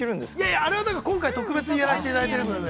◆あれはだから、今回特別にやらせていただいているので。